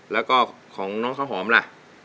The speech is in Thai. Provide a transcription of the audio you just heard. แล้วก็ของน้องข้าวหอมล่ะ